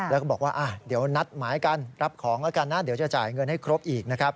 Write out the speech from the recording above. แล้วก็บอกว่าอ่ะเดี๋ยวนะจนดูนัดหมายการรับของกันนะเดี๋ยวจะจ่ายเงินให้ครบอีก